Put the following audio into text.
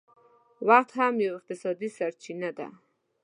وخت هم یو اقتصادي سرچینه ده